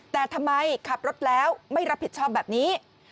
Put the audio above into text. แต่ทำไมขับรถแล้วไม่รับผิดชอบแบบนี้